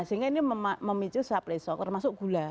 sehingga ini memicu supply soft termasuk gula